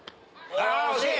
あ惜しい。